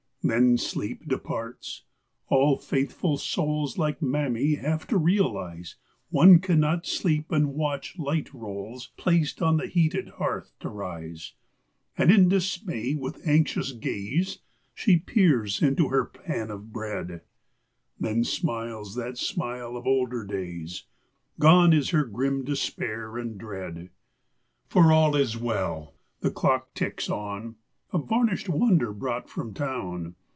i sleep departs; all faithful souls like Mammy have to realize can not sleep and watch "light rolls'* d on the heated hearth to rise; ismay, with anxious gaze, she into her pan of bread, that smile of older days— her grim despair and dread. all is well, the clock ticks on—a var¬ nished wonder brought from town.